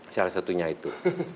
salah satunya itu